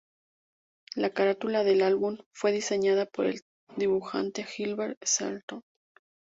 La carátula del álbum fue diseñada por el dibujante Gilbert Shelton.